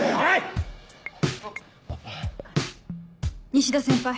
西田先輩